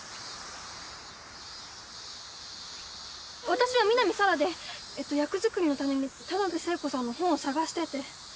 私は南沙良で役作りのために田辺聖子さんの本を探してて。